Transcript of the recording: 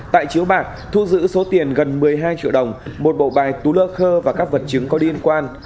tại chiếu bạc thu giữ số tiền gần một mươi hai triệu đồng một bộ bài tú lơ khơ và các vật chứng có liên quan